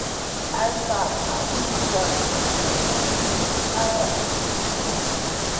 Alpaka millwapitami punchunta awachishqa.